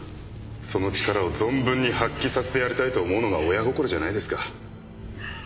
その力を存分に発揮させてやりたいと思うのが親心じゃないですか。